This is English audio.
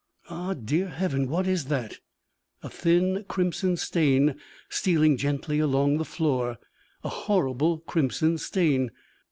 Ah, dear Heaven! what is that? A thin, crimson stain stealing gently along the floor; a horrible crimson stain!